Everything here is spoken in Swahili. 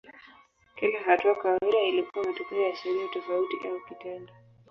Kila hatua kawaida ilikuwa matokeo ya sheria tofauti au kitendo.